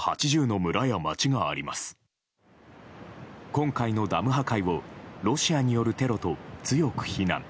今回のダム破壊をロシアによるテロと強く非難。